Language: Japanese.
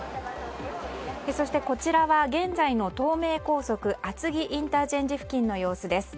そしてこちらは現在の東名高速厚木ＩＣの様子です。